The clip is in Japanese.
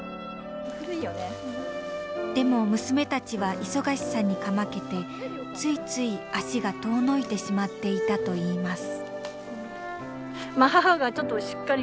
でも娘たちは忙しさにかまけてついつい足が遠のいてしまっていたといいます